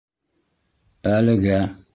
Әлегә...